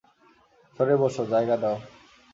সরে বোসো, জায়গা দাও।